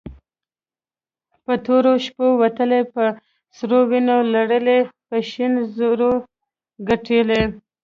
په توره شپه وتلې په سرو وينو لړلې په شين زور يي ګټلې